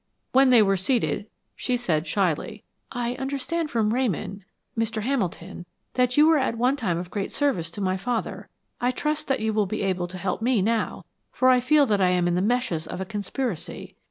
When they were seated she said, shyly: "I understand from Ramon Mr. Hamilton that you were at one time of great service to my father. I trust that you will be able to help me now, for I feel that I am in the meshes of a conspiracy.